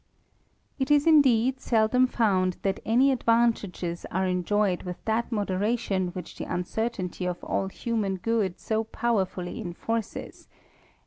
~Il is, indeed, seldom found that any advantages are enjoyed with that moderation whicli the uncertainty of all hum an good so powerfully enforces; and^.